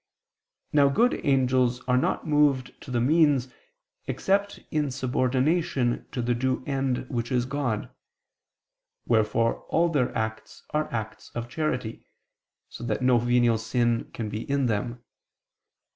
Now good angels are not moved to the means, except in subordination to the due end which is God: wherefore all their acts are acts of charity, so that no venial sin can be in them.